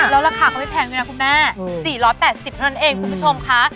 แล้วราคาก็ไม่แพงด้วยนะคุณแม่๔๘๐เท่านั้นเองคุณผู้ชมค่ะ